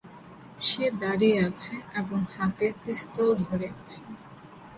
সে দাঁড়িয়ে আছে এবং হাতে পিস্তল ধরে আছে।